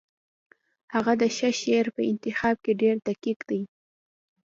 هغه د ښه شعر په انتخاب کې ډېر دقیق دی